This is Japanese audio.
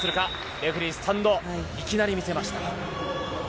レフェリースタンド、いきなり見せました。